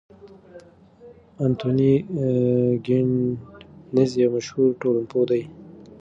انتوني ګیدنز یو مشهور ټولنپوه دی.